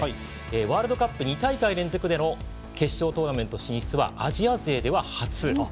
ワールドカップ２大会連続での決勝トーナメント選出はアジア勢では初。